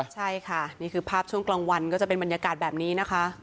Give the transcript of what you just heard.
ใช่ค่ะนี่คือภาพช่วงกลางวันก็จะเป็นบรรยากาศแบบนี้นะคะ